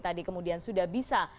tadi kemudian sudah bisa